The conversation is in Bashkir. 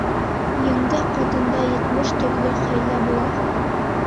Еңгә ҡатында етмеш төрлө хәйлә була.